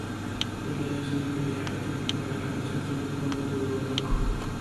El nido es una pequeña plataforma de ramitas donde pone un huevo blanco.